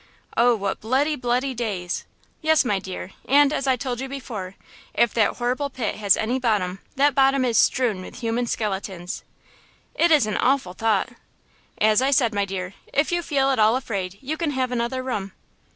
"Oh, what bloody, bloody days!" "Yes, my dear, and as I told you before, if that horrible pit has any bottom, that bottom is strewn with human skeletons!" "It is an awful thought–" "As I said, my dear, if you feel at all afraid you can have another room."